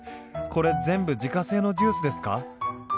これ全部自家製のジュースですか？